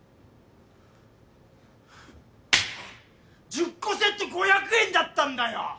１０個セット５００円だったんだよ！